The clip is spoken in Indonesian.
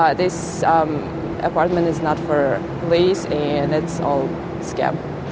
dan ini semua skam